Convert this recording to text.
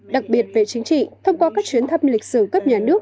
đặc biệt về chính trị thông qua các chuyến thăm lịch sử cấp nhà nước